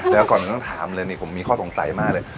แล้วก่อนต้องถามเลยนี่ผมมีข้อสงสัยมากเลย